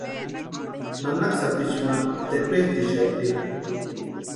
Nanaka sapichu ma tepetsʼïxati.